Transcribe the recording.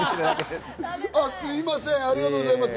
すみません、ありがとうございます。